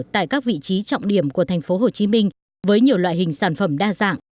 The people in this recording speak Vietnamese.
tại các vị trí trọng điểm của tp hcm với nhiều loại hình sản phẩm đa dạng